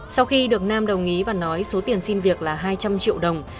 sau khi được nam đồng ý và nói số tiền xin việc là hai trăm linh triệu đồng